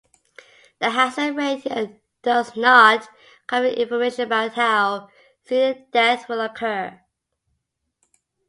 The hazard ratio does not convey information about how soon the death will occur.